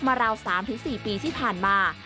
ราว๓๔ปีที่ผ่านมา